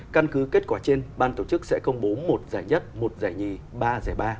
căn cứ kết quả trên ban tổ chức sẽ công bố một giải nhất một giải nhì ba giải ba